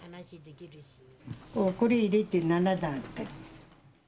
これ入れて７段あって。